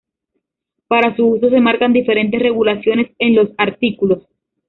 Para su uso se marcan diferentes regulaciones en los artículos.